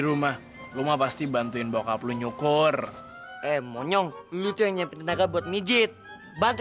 rumah rumah pasti bantuin bokap lu nyukur emonyong lu tanya perintah buat mijit bantu